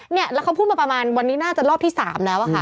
เนี่ยแล้วเขาพูดมาประมาณวันนี้น่าจะรอบที่๓แล้วอะค่ะ